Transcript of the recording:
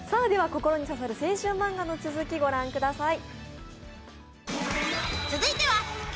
「心に刺さる青春マンガ」の続き御覧ください。